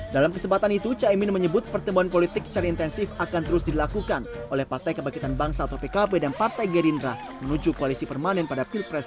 dalam kesempatan itu caimin menyebut pertemuan politik secara intensif akan terus dilakukan oleh partai kebangkitan bangsa atau pkb dan partai gerindra menuju koalisi permanen pada pilpres dua ribu sembilan belas